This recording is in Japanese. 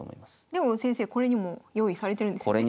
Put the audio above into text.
でも先生これにも用意されてるんですよね？